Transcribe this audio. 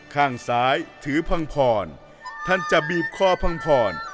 ข้างซ้ายถือพังพรท่านจะบีบคอพังพร